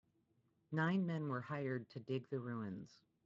Nine men were hired to dig the ruins.